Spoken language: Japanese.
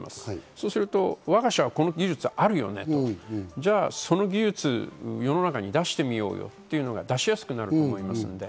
そうすると、我が社はこの技術あるよね、その技術、世の中に出してみようっていうのが出しやすくなると思います。